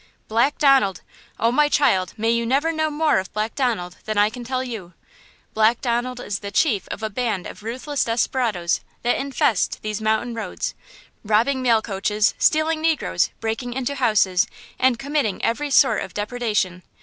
"Black Donald! Oh, my child, may you never know more of Black Donald than I can tell you. Black Donald is the chief of a band of ruthless desperadoes that infest these mountain roads, robbing mail coaches, stealing negroes, breaking into houses and committing every sort of depredation.